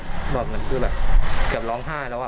เหมือนคือแบบเกือบร้องไห้แล้ว